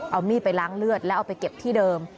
เอามีดไปล้างเลือดแล้วเอาไปเก็บที่เดิม